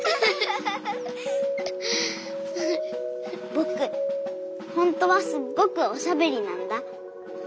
僕ほんとはすっごくおしゃべりなんだ。